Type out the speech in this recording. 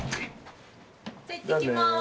じゃいってきます。